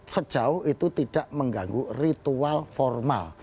sejauh itu tidak mengganggu ritual formal